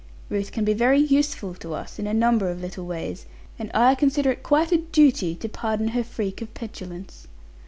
Ruth can be very useful to us in a number of little ways; and I consider it quite a duty to pardon her freak of petulance.'